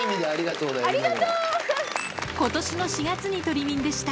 ことしの４月にトリミングした、